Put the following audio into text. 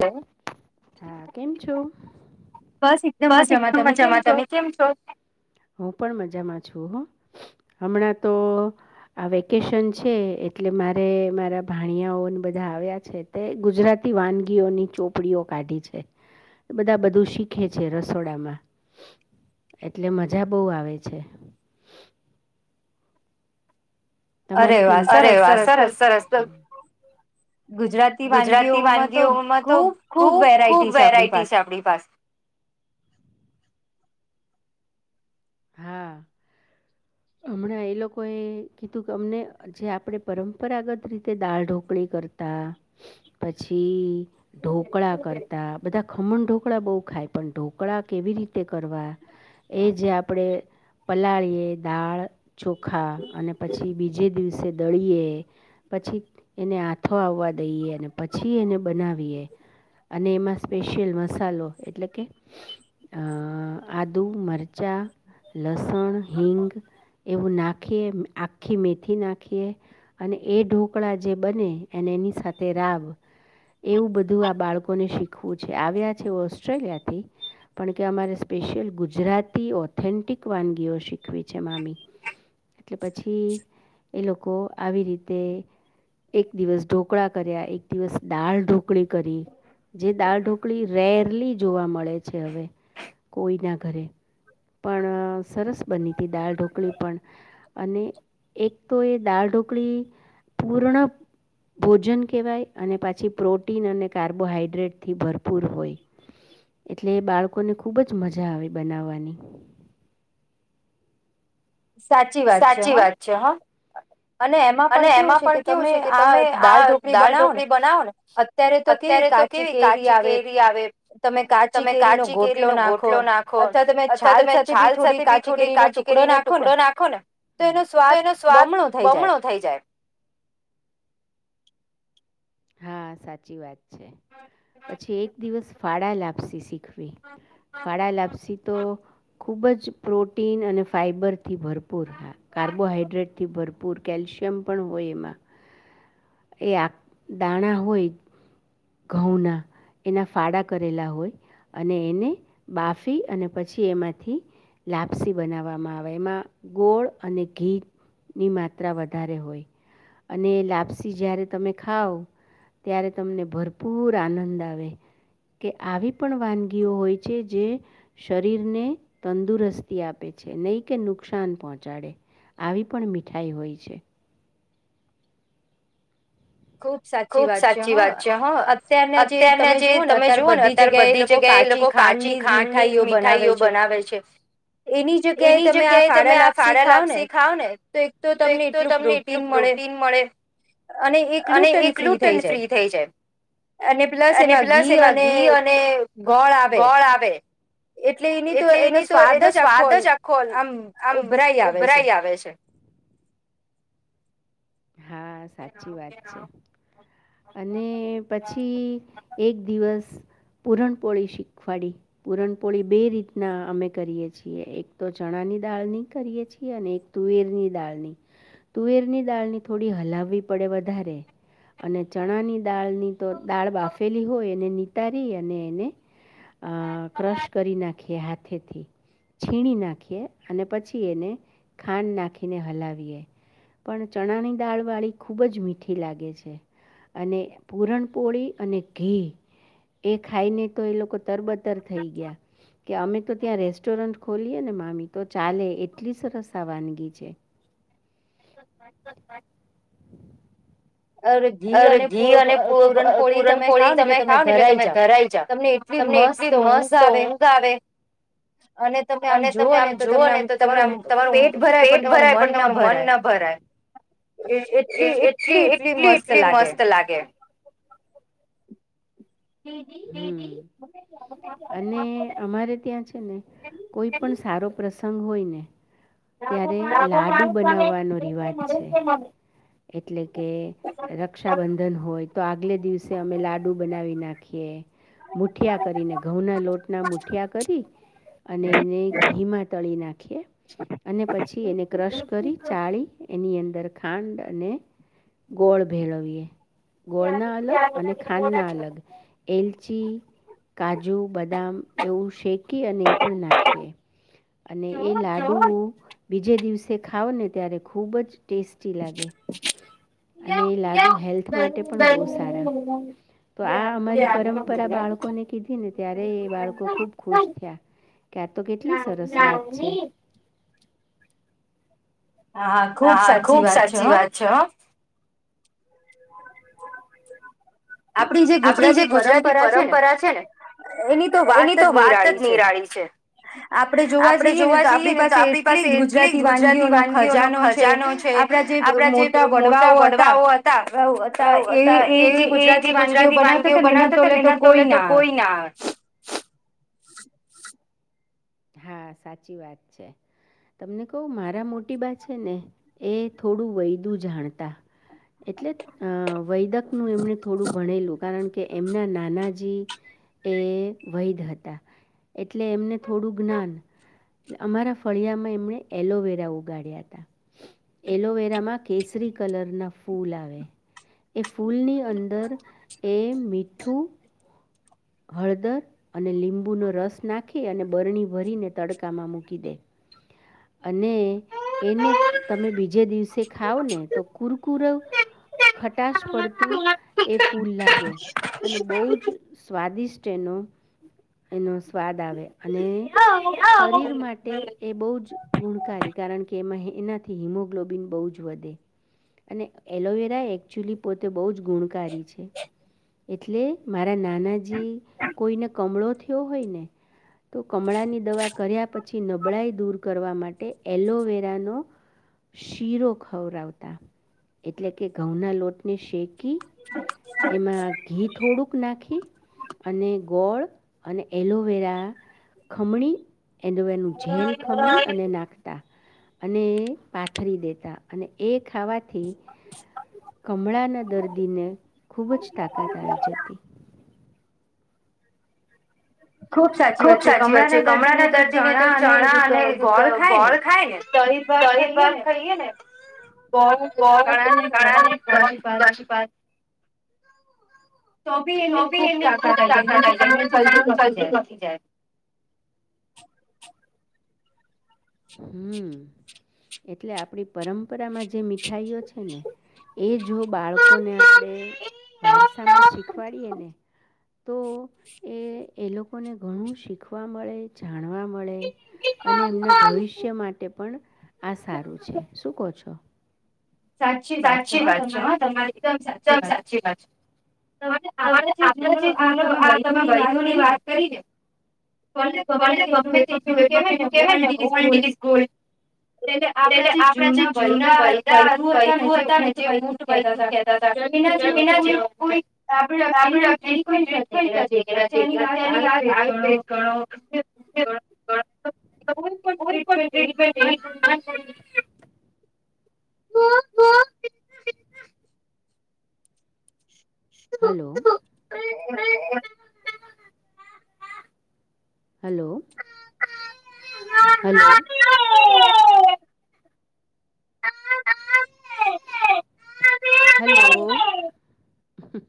Hello. હા, કેમ છો? બસ એકદમ મજામાં. તમે કેમ છો? હું પણ મજામાં છું. હ હમણાં તો આ વેકેશન છે એટલે મારે મારા ભાણિયાઓને બધા આવ્યા છે તે ગુજરાતી વાનગી વાનગીઓની ચોપડીઓ કાઢી છે. બધા બધું શીખે છે રસોડામાં, એટલે મજા બવ આવે છે. તમારે કેમ? અરે વા સરસ સરસ. તો ગુજરાતી વાનગીઓમાં તો ખૂબ ખૂબ વેરાયટી છે આપણી પાસે. હા હમણાં એ લોકોએ કીધું કે અમને જે આપડે પરંપરાગત રીતે દાળ ઢોકળી કરતા, પછી ઢોકળા કરતા, બધા ખમણ ઢોકળા બહુ ખાય પણ ઢોકળા કેવી રીતે કરવા એ જે આપ પલાળીએ દાળ ચોખા અને પછી બીજું જે દિવસે દળીએ પછી એને આાથો આવવા દઈએ અને પછી એને બનાવીએ અને એમાં સ્પેશિયલ મસાલો એટલે કે આદુ, મરચ ચા લસણ, હિંગ એવું નાખીએ, આખી મેથી નાખીએ અને એ ઢોકળા જે બને અને એની સાથે રાવ એવું બધું આ બાળકોને શીખવું છે. આવ્યા છે ઓસ્ટ્રેલિયાથી પણ કે અમારે સ્પેશિયલ ગુજરાતી ઓ ઓથેન્ટિક વાનગીઓ શીખવી છે મામી. એટલે પછી એ લોકો આવી રીતે એક દિવસ ઢોકળા કર્યા, એક દિવસ દાળ ઢોકળી કરી. જે દાળ ઢોકળી રેરલી જોવા મળે છે હવે કોઈના ઘરે. પણ સરસ બની હતી દાળ ઢોકળી પણ અને એક તો એ દાળ ઢોકળી પૂર્ણ ભોજન કેહેવાય અને પાછી પ્રોટીન અને કાર્બોહાઈડ્રેટ થી ભરપૂર હોય. એટલે એ બાળકોને ખુબ જ મજા આવે બનાવવાની. સાચી વાત છે હા અને એમાં પણ કેવું છે કે તમે આ દાલ ઢોકળી બનાવો ને અત્યારે તો કેવી કાચી કેરી આવે, તમે કાચી કેરીનો ગોટલો નાંખો અથવા તમે છાલ સાથે બી થોડી કાચી કેરીનો ટુકડો નાંખો ને તો એનો સ્વાદ થઈ જાય. થઈ જાય. હા સાચી વાત છે પછી એક દિવસ ફાળા લાપસી શી ખવી ફાળા લાપ સી તો ખૂબ જ પ્રોટીન અને ફાઈબરથી ભરપૂર હા કાર્બોહાઈડ્રેટથી ભરપૂર કેલ્શિયમ પણ હોય એમાં, એ આ દાણા હોય ઘઉંના, એના ફાળા કરેલા હોય અને એને બાફી અને પછી એમાંથી લાપસી બનાવવામાં આવે, એમાં ગોળ અને ઘીની માત્રા વધારે હોય અને લાપસી જ્યારે તમે ખાવ, ત્યારે તમને ભરપૂર આનંદ આવે કે આવી પણ વાનગીઓ હોય છે, જે શરીરને તંદુરસ્તી આપે છે નહી કે નુકસાન પહોંચાડે, આવી પણ મીઠાઈ હોય છે. ખુબ સાચી વાત છે, હાં અત્યારના જે તમે જુઓ ને અત્યારે બધી જગ્યાએ એ લોકો કાચી ખાંડની મીઠાઈઓ બનાવે છે, એની જગ્યાએ તમે આ ફાળા લાપસી ખાઓ ને તો એક તો તમને એટલું પ્રોટીન મળે. અને એ ગ્લૂટે ગ્લુટન ફ્રી થઈ જાય અને પ્લસ એમાં ઘી અને ગોળ આવે. [inaudible] એટલે એની તો એનો સ્વાદ જ આખો આમ ઉભરાઈ આવે છે. હા સાચી વાત છે. અને પછી છી એક દિવસ પૂરણપોળી શીખવાડી, પૂરણપોળી બે રીતના અમે કરીએ છીએ, એક તો ચણાની દાળની કરીએ છીએ અને એક તુવેરની દાળની, તુવેરની દાળની થોડી હલાવવી પડે વધારે. અને ચણાની દાળની તો દાળ બાફેલી હોય એને નીતારી અને એને અ ક્રશ કરી નાંખીએ હાથેથી, છીણી નાખીએ અને પછી એને ખાંડ નાંખીને હલાવીએ, પણ ચણાની દાળવાળી ખૂબ જ મીઠી લાગે છે. અને પૂરણપોળી અને ઘી એ ખાઈને તો એ લોકો તરબતર થઈ ગયા, કે અમે તો ત્યાં રેસ્ટોરન્ટ ખોલીયે ને મામી તો ચાલે, એટલી સરસ આ વાનગી છે. [inaudible] અરે ઘી અને પુ પુરણપોળી તમે ખાવ ને એટલે તમે ધરાઈ જાવ, ‌ તમને એટલી મસ્ત ઊંઘ આવે અને તમે આમ જુઓ ને તો તમને આમ તમારું પેટ ભરાય પણ તમારું મન ના ભરાય, એ એટલી એટલી ટલી મસ એટલી મસ્ત લાગે. હમ્મ અને અમારે ત્યાં છ ને કોઈ પણ સારો પ્રસ સંગ હોય ને ત્યારે લાડુ બનાવવાનો રિવાજ છે, એટલે કે રક્ષાબંધન હોય તો આગલે દિવસે અમે લાડુ બનાવી નાખી કે એ મુઠિયા કરીને, ઘઉંના લોટના મુઠિયા કરી અને એને ઘીમાં તળી નાંખીએ. અને પછી એને ક્રશ કરી ચાળી એની અંદર ખાંડ અને ગોળ ભેરવીએ. ગોળ ના અલગ અને ખાંડ ના અલગ. એલચી, કાજુ, બદામ એવું શેકી અને એ પણ નાખીએ. અને એ લાડુ બીજે દિવસે ખાાવ ને ત્યારે ખૂબ જ ટેસ્ટી લાગે અને લાગુ હેલ્થ માટે પણ બહુ સારા. તો આ [unintelligible] પરંપરા બાળકોને કીધી ને ત્યારે એ બાળકો ખુબ ખુશ [unintelligible] કા તો કેટલી સરસ વાત છે. હા હા ખુબ સાચી વાત છે હ. આપણી જે ગુજરાતી પરંપરા છે ને, એની તો વાત જ નિરાળી છે. આપડે જોવા જઈએ ને તો આપણી પાસે એટલી જ ગુજરાતી વાનગીઓનો ખજાનો છે આપણાં જે મોટા વડવાઓ હતા હતા એ એ જે ગુજરાતી વાનગીઓ બનાવતા તો એના તોલે તો કોઈ ના આવે. [inaudible] [inaudible] હા સાચી વાત છે, તમને કહું મારા મોટી બા છે ને એ થોડું વૈદું જાણતા એટલે અ વૈદક નું એમને થોડું ભણેલું કારણ કે, એમના નાનાજી એ વૈધ હતા એટલે એમને થોડું જ્ઞાન અમારાં ફળિયામાં એમને એલોવેરા ઉગાડ્યા હતા. એલોવેરામાં કેસરી કલર ના ફૂલ આવે. એ ફૂલની અંદર એ મી મીઠું, હળદર અને લીંબુનો રસ નાખી અને બરણી ભરીને તડકામાં મૂકી દે. અને એને તમે બીજે દિવસે ખાવ ને તો કુરકુરવ, ખટાશ પડતું એ ફૂલ લાગે, અને બહુ જ સ્વાદિષ્ટ એનો એનો સ્વાદ આવે. અને શરીર માટે એ બહુ જ ગુણકારી. કારણ કે એમાં એનાથી હિમોગ્લોબિન બહુ જ વધે અને એલોવેરા એકચ્યુલી પોતે બહુ જ ગુણકારી છે. એટલે મારા નાનાજી કોઈને કમળો થયો હોય ને તો કમળાની દવા કર્યા પછી નબળાાઈ દૂર કરવા માટે એલોવેરાનો, શીરો ખવરવતા, એટલે કે ઘઉંના લોટને શેકી એમાં ઘી થોડુંક નાખી, અને ગોળ અને એલોવેરા ખમણી એલોવેરાનું જેલ [unintelligible] ખવાનું અને નાખ તા અને પાથરી દેતા અને એ ખાવાથી, કમળાના દર્દીને ખુબ જ તાકાત આવી જતી. ખુબ સાચી વાત છે કમળાના દર્દી ને તો ચણા અને ગોળ ખાય ને, તરીપાટ ખાઈએ ને ગોળ ચણા ગોળ અને તરીપાત તો બી એમની ખૂબ તાકાત આવી જાય ને [unintelligible] જલ્દી નથી જાય. [inaudible] હમ એટલે આપણી પરંપરામાં જે મીઠાઈઓ છે, ને એ જો બાળકોને આપણે વારસા માં શીખવાડીએ ને, તો એ એ લોકોને ઘણું શીખવા. મળે [inaudible] જાણવા મળે અને એમનું ભ. માટે પણ આ સારું છે શું કહો છો? સાચી વાત છે હ તમારીદમ સાચી વાત છે, તમારે આપણા જે જુના આ તમે વૈદોની વાત કરીને. ગમે તેટલું એ પણ પીધું કેવાય ને ઓલ્ડ ઇઝ ગોલ્ડ, એટલે આપડા જે જૂના વૈદા. વયદુ હતા ને જે ઊંટ વયદુ કતા હતા, એના જે કોઈ આપ એની કોઈ ટ્રીટમેન્ટ નથી, જે અત્યારની આ આયુર્વેદ ગણો. કોઈ પણ ટ્રીટમેન્ટ એ. હલો. [inaudible] હલો હ [inaudible] હલો. [inaudible]